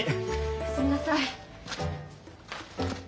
お休みなさい。